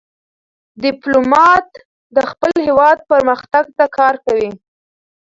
ډيپلومات د خپل هېواد پرمختګ ته کار کوي.